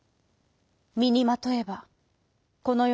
みにまとえばこのよ